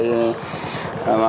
rồi mình cũng coi trên mạng